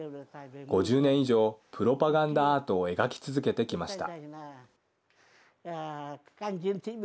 ５０年以上プロパガンダアートを描き続けてきました。